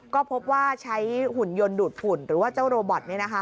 ก็พบว่าใช้หุ่นยนต์ดูดฝุ่นหรือว่าเจ้าโรบอต